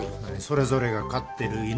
それぞれが飼ってる犬